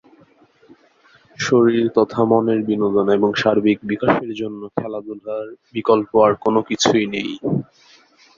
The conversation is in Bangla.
শরীর তথা মনের বিনোদন এবং সার্বিক বিকাশের জন্য খেলাধুলার বিকল্প আর কোন কিছুই নেই।